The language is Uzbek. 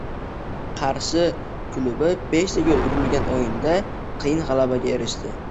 Qarshi klubibeshta gol urilgan o‘yinda qiyin g‘alabaga erishdi